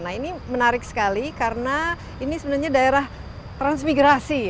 nah ini menarik sekali karena ini sebenarnya daerah transmigrasi